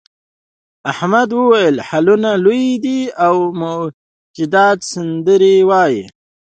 احمد وویل هالونه لوی دي او موجودات سندرې وايي.